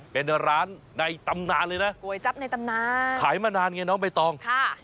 เป็นร้านในตำนานเลยนะก๋วยจับในตำนานขายมานานไงน้องใบตองค่ะ